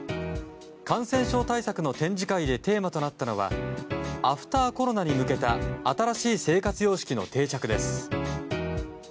感染症対策の展示会でテーマとなったのがアフターコロナに向けた新しい生活様式の定着です。